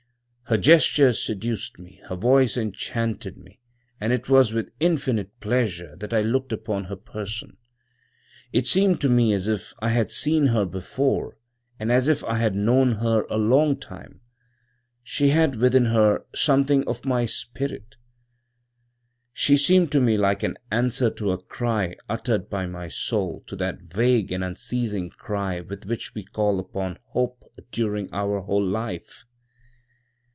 Her gestures seduced me, her voice enchanted me, and it was with infinite pleasure that I looked upon her person. It seemed to me as if I had seen her before and as if I had known her a long time. She had within her something of my spirit. "She seemed to me like an answer to a cry uttered by my soul, to that vague and unceasing cry with which we call upon Hope during our whole life.